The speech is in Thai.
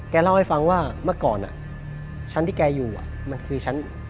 เล่าให้ฟังว่าเมื่อก่อนชั้นที่แกอยู่มันคือชั้น